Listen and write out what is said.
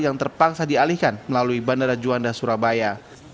yang terpaksa dialihkan melalui bandara juanda surabaya